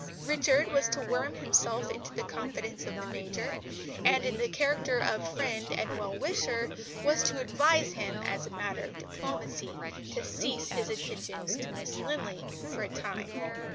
Richard was to worm himself into the confidence of the Major, and, in the character of friend and well wisher, was to advise him, as a matter of diplomacy, to cease his attentions to Miss Linley for a time.